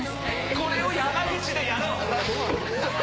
これを山口でやろう！